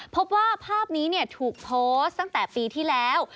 พบว่าภาพนี้ถูกโพสต์ตั้งแต่ปีที่แล้ว